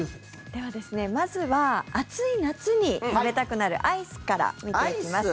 では、まずは暑い夏に食べたくなるアイスから見ていきます。